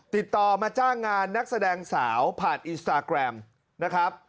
ติดต่อมาจ้างงานนักแสดงสาวผ่านอินสตาแกรมนะครับ